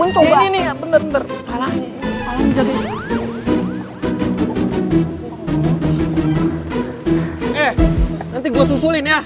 eh nanti gue susulin ya